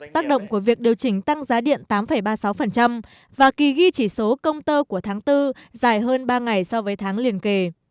tác động của việc điều chỉnh tăng giá điện tám ba mươi sáu và kỳ ghi chỉ số công tơ của tháng bốn dài hơn ba ngày so với tháng liền kề